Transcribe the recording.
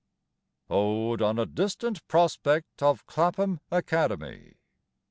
ODE ON A DISTANT PROSPECT OF CLAPHAM ACADEMY.